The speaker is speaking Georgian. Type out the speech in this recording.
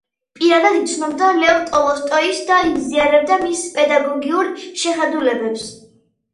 პირადად იცნობდა ლევ ტოლსტოის და იზიარებდა მის პედაგოგიურ შეხედულებებს.